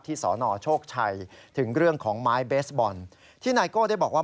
สนโชคชัยถึงเรื่องของไม้เบสบอลที่ไนโก้ได้บอกว่า